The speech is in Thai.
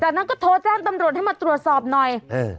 จากนั้นก็โทรแจ้งตำรวจให้มาตรวจสอบหน่อยเออ